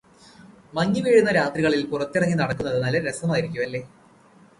മഞ്ഞുവീഴുന്ന രാത്രികളില് പുറത്തിറങ്ങിനടക്കുന്നത് നല്ല രസമായിരിക്കും അല്ലേ